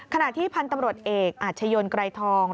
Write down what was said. ขณะที่พันธุ์ตำรวจเอกอาชญนไกรทอง